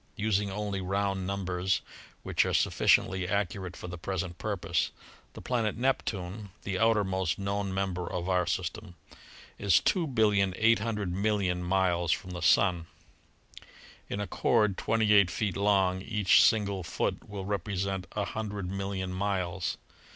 Using only round numbers, which are sufficiently accurate for the present purpose, the planet Neptune, the outermost known member of our system, is 2,800,000,000 miles from the Sun. In a cord twenty eight feet long each single foot will represent a hundred million miles.